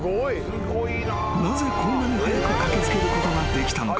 ［なぜこんなに早く駆け付けることができたのか？］